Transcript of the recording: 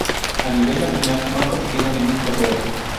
A nivel nacional no ha conseguido ningún trofeo.